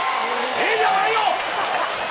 えーじゃないよ！